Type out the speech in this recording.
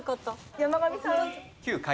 山上さん。